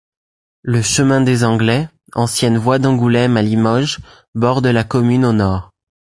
Le Chemin des Anglais, ancienne voie d'Angoulême à Limoges, borde la commune au nord.